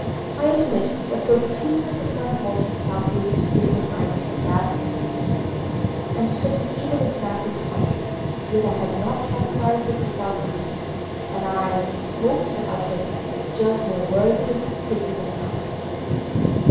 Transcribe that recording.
I admit that the treatment of my horse is calculated to give your Highness a bad opinion of me, and to set an evil example to others; yet I have not chastised it without reason, and I have hopes that I shall be judged more worthy of pity than punishment."